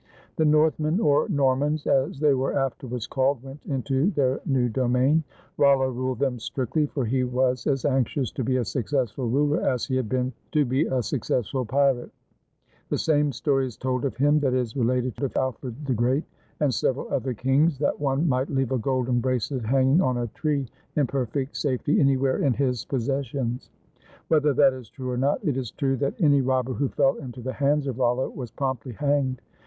The Northmen, or Normans, as they were afterwards called, went into their new domain. Rollo ruled them strictly, for he was as anxious to be a successful ruler as he had been to be a successful pirate. The same story is told of him that is related of Alfred the Great and sev eral other kings, that one might leave a golden bracelet hanging on a tree in perfect safety anywhere in his pos sessions. Whether that is true or not, it is true that any robber who fell into the hands of Rollo was promptly hanged.